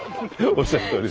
おっしゃるとおり。